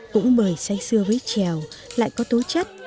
cũng bởi say xưa với trèo lại có tố chất